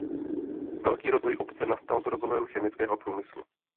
Velký rozvoj obce nastal s rozvojem chemického průmyslu.